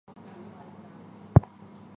中共中央党校经济管理系毕业。